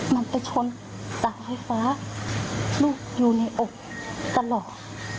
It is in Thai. มันไปชนเสาไฟฟ้าลูกอยู่ในอกตลอด